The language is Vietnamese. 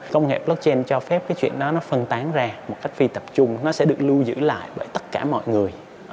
công nghệ blockchain cho phép cái chuyện đó nó phân tán ra một cách phi tập trung nó sẽ được lưu giữ lại bởi tất cả mọi người